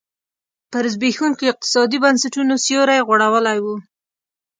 پر زبېښونکو اقتصادي بنسټونو سیوری غوړولی و.